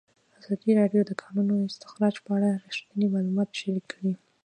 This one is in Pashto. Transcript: ازادي راډیو د د کانونو استخراج په اړه رښتیني معلومات شریک کړي.